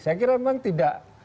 saya kira memang tidak